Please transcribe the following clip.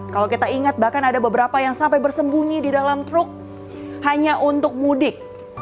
kalau kita ingat bahkan ada beberapa yang sampai bersembunyi di dalam truk hanya untuk mudik